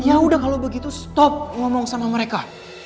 yaudah kalau begitu stop ngomong sama mereka